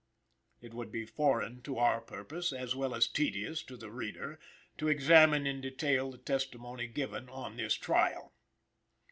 It would be foreign to our purpose, as well as tedious to the reader, to examine in detail the testimony given on this trial.